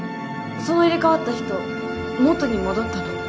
その入れ替わった人元に戻ったの？